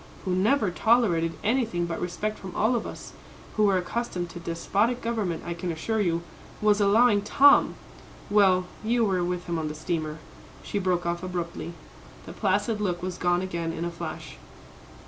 who never tolerated anything but respect from all of us, who were accustomed to despotic government, I can assure you, was allowing Tom! well, you were with him on the steamer," she broke off abruptly. The placid look was gone again in a flash.